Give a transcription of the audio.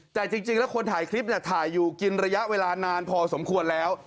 แต่จริงแล้วคนถ่ายคลิปเนี่ยถ่ายอยู่กินระยะเวลานานพอสมควรแล้ว